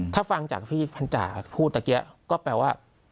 ถ้าฟังจากพี่พันจ่าพูดเมื่อกี้ก็แปลว่า